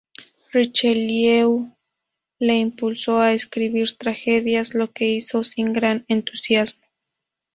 Richelieu le impulsó a escribir tragedias, lo que hizo sin gran entusiasmo.